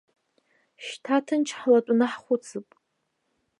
Шьҭа ҭынч ҳлатәаны ҳхәыцп.